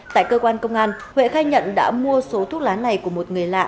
tại cơ quan công an huệ khai nhận đã mua số thuốc lá này của một người lạ